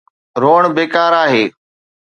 روئڻ بيڪار آهي.